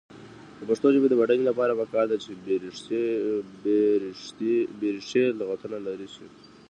د پښتو ژبې د بډاینې لپاره پکار ده چې بېریښې لغتونه لرې شي.